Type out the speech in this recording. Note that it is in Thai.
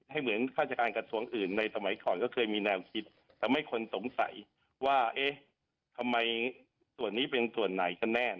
เหมือนข้าราชการกระทรวงอื่นในสมัยก่อนก็เคยมีแนวคิดทำให้คนสงสัยว่าเอ๊ะทำไมส่วนนี้เป็นส่วนไหนกันแน่